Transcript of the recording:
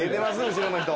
後ろの人。